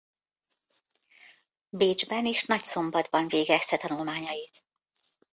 Bécsben és Nagyszombatban végezte tanulmányait.